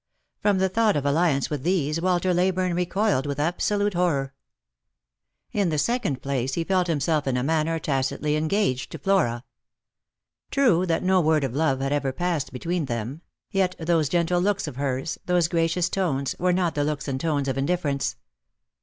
From the thought of alliance with these Walter Leyburne recoiled with absolute horror. In the second place he felt himself in a manner tacitly en gaged to Flora. True that no word of love had ever passed between them ; yet those gentle looks of hers, those gracious tones, were not the looks and tones of indifference.